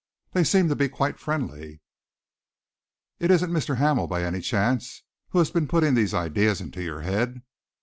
"They seem to be quite friendly." "It isn't Mr. Hamel, by any chance, who has been putting these ideas into your head?"